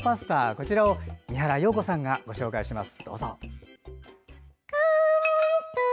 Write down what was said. こちらを三原葉子さんがご紹介します。